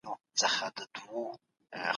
د معلوماتو راټولول ممکن څو میاشتې وخت ونیسي.